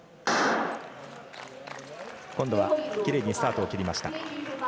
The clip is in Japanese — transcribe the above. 今度はきれいにスタートを切りました。